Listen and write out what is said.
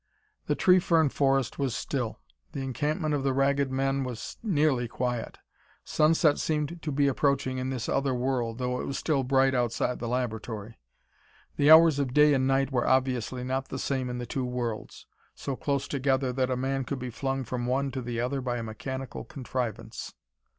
The tree fern forest was still. The encampment of the Ragged Men was nearly quiet. Sunset seemed to be approaching in this other world, though it was still bright outside the laboratory. The hours of day and night were obviously not the same in the two worlds, so close together that a man could be flung from one to the other by a mechanical contrivance.